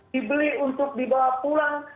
dibeli untuk dibawa pulang